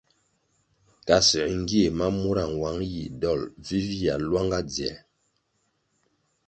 Kasuer ngie ma mura nwang yih dol vivia luanga dzier ritu.